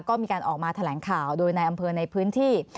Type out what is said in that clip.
ก็มีการออกมาแถลงข่าวโดยในอำเภอในพื้นที่